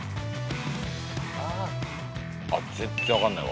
全然分かんないわ。